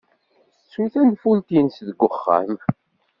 Tettu tanfult-nnes deg uxxam.